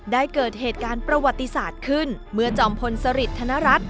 เกิดเหตุการณ์ประวัติศาสตร์ขึ้นเมื่อจอมพลสริทธนรัฐ